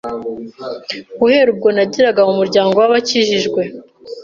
Guhera ubwo nageraga mu muryango w’abakijijwe